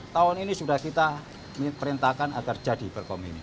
tahun ini sudah kita perintahkan agar jadi berkomunikasi